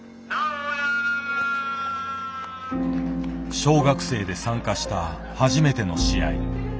小学生で参加した初めての試合。